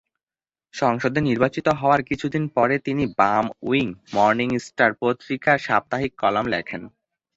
সংসদে নির্বাচিত হওয়ার কিছুদিন পরে তিনি বাম-উইং "মর্নিং স্টার" পত্রিকার সাপ্তাহিক কলাম লেখেন।